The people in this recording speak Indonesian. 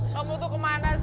kamu tuh ke mana sih